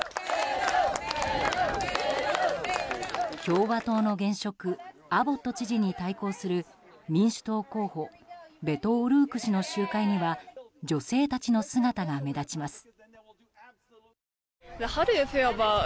共和党の現職アボット知事に対抗する民主党候補ベト・オルーク氏の集会には女性たちの姿が目立ちます。